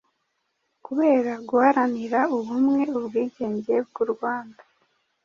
Kubera guharanira ubumwe, ubwigenge bw’u Rwanda